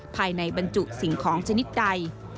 ภายในบรรจุสิ่งของชนิดใด